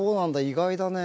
意外だね。